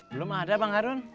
belum ada bang harun